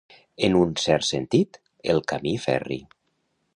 En un cert sentit, el camí ferri.